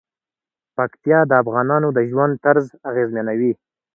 پکتیا د افغانانو د ژوند طرز اغېزمنوي.